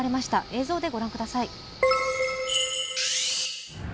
映像で御覧ください。